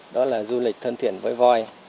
đó là du lịch thân thiện với voi